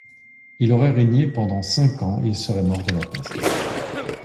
Il aurait régné pendant cinq ans, et serait mort de la peste.